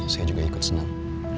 saya juga ikut senang